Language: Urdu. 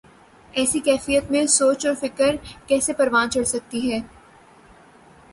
ایسی کیفیت میں سوچ اور فکر کیسے پروان چڑھ سکتی ہے۔